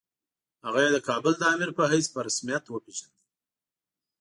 هغه یې د کابل د امیر په حیث په رسمیت وپېژانده.